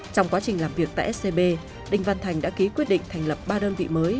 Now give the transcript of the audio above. trong quá trình làm việc tại scb đinh văn thành đã ký quyết định thành lập ba đơn vị mới